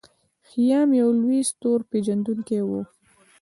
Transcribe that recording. خیام یو لوی ستورپیژندونکی و.